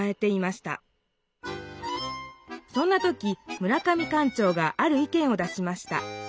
そんな時村上館長がある意見を出しました。